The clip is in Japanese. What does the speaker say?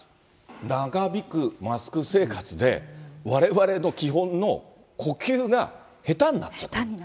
長引くマスク生活で、われわれの基本の呼吸が下手になっちゃった。